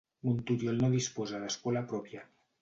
Montoriol no disposa d'escola pròpia.